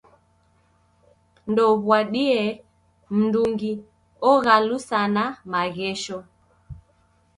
Ndouw'adie mndungi oghalusana maghesho.